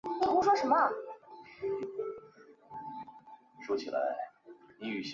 失真的改变现象。